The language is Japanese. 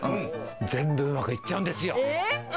全部うまく行っちゃうんですよ。